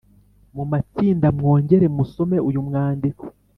mu matsinda, mwongere musome uyu mwandiko